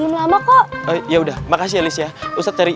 ulah ketemu dia di pasar